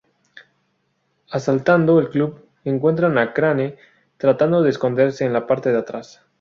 Asaltando el club, encuentran a Crane tratando de esconderse en la parte de atrás.